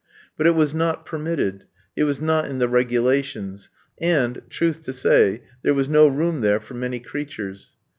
But it was not permitted; it was not in the regulations; and, truth to say, there was no room there for many creatures.